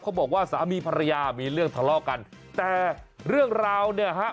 บอกว่าสามีภรรยามีเรื่องทะเลาะกันแต่เรื่องราวเนี่ยฮะ